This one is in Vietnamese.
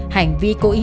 hành vi cố ý